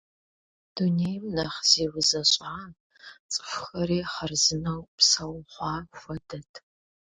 Дунейм нэхъ зиузэщӏа, цӏыхухэри хъарзынэу псэу хъуа хуэдэт.